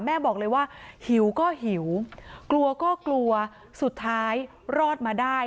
แม่บอกเลยว่าหิวก็หิวกลัวก็กลัวสุดท้ายรอดมาได้